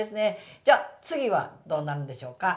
じゃ次はどうなるんでしょうか？